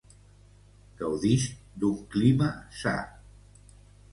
Gaudix d'un clima sa.